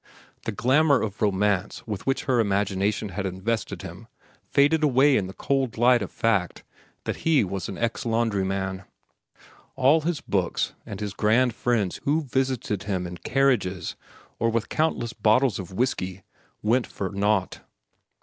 The glamour of romance with which her imagination had invested him faded away in the cold light of fact that he was an ex laundryman. All his books, and his grand friends who visited him in carriages or with countless bottles of whiskey, went for naught.